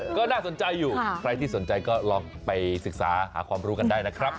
ก็น่าสนใจอยู่ใครที่สนใจก็ลองไปศึกษาหาความรู้กันได้นะครับ